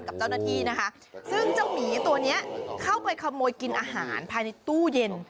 กับเจ้าหน้าที่นะคะซึ่งเจ้าหมีตัวเนี้ยเข้าไปขโมยกินอาหารภายในตู้เย็น